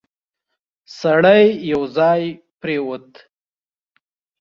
سړی یو ځای پرېووت.